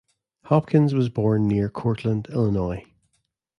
Hopkins was born near Cortland, Illinois.